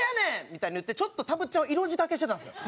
みたいに言ってちょっとたぶっちゃんを色仕掛けしてたんですよ。